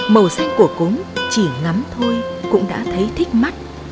màu xanh của cúng chỉ ngắm thôi cũng đã thấy thích mắt